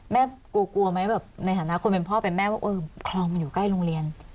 กลัวกลัวไหมแบบในฐานะคนเป็นพ่อเป็นแม่ว่าเออคลองมันอยู่ใกล้โรงเรียน